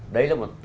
đấy là một